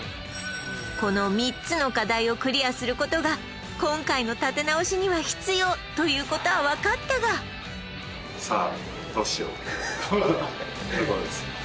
この３つの課題をクリアすることが今回の立て直しには必要ということはわかったがさあっていうことです